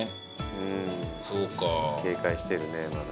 うん警戒してるねまだ。